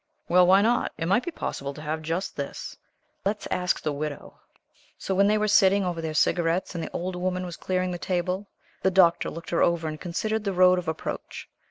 "Well, why not? It might be possible to have just this. Let's ask the Widow." So, when they were sitting over their cigarettes, and the old woman was clearing the table, the Doctor looked her over, and considered the road of approach.